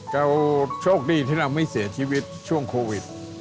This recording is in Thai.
เราโชคดีที่เราไม่เสียชีวิตช่วงโควิด